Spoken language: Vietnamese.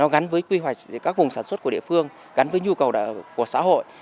gắn với quy hoạch các vùng sản xuất của địa phương gắn với nhu cầu của xã hội